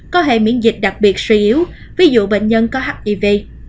có hệ miễn dịch đặc biệt suy yếu ví dụ bệnh nhân có hiv